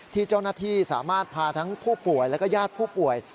ที่เจ้าหน้าที่สามารถพาทั้งผู้ป่วยแล้วก็ญาติผู้ป่วย